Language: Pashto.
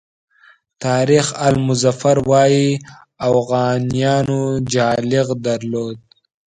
تاریخ آل مظفر وایي اوغانیانو جالغ درلود.